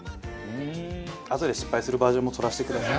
あとで失敗するバージョンも撮らせてください。